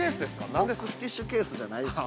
◆ボックスティッシュケースじゃないです。